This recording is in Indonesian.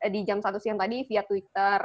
di jam satu siang tadi via twitter